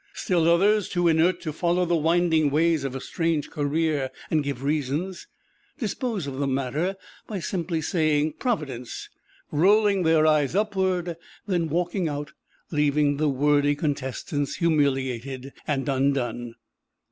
Still others, too inert to follow the winding ways of a strange career and give reasons, dispose of the matter by simply saying, "Providence!" rolling their eyes upward, then walking out, leaving the wordy contestants humiliated and undone.